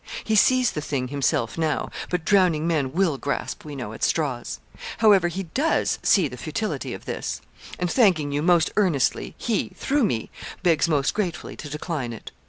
He sees the thing himself now; but drowning men will grasp, we know, at straws. However, he does see the futility of this; and, thanking you most earnestly, he, through me, begs most gratefully to decline it.